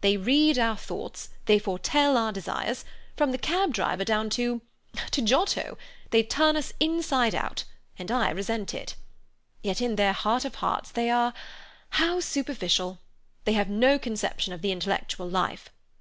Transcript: They read our thoughts, they foretell our desires. From the cab driver down to—to Giotto, they turn us inside out, and I resent it. Yet in their heart of hearts they are—how superficial! They have no conception of the intellectual life.